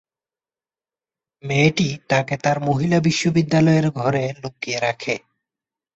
মেয়েটি তাকে তার মহিলা বিশ্ববিদ্যালয়ের ঘরে লুকিয়ে রাখে।